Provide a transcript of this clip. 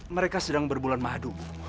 mereka sedang berbulan madu